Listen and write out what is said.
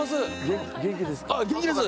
元気ですか？